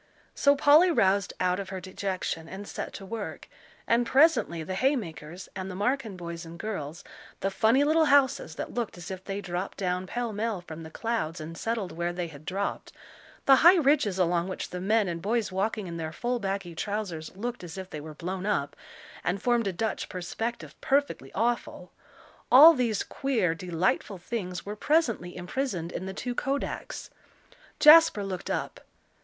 So Polly roused out of her dejection and set to work, and presently the hay makers, and the Marken boys and girls, the funny little houses that looked as if they dropped down pellmell from the clouds and settled where they had dropped the high ridges along which the men and boys, walking in their full baggy trousers, looked as if they were blown up, and formed a Dutch perspective perfectly awful all these queer, delightful things were presently imprisoned in the two kodaks. Jasper looked up.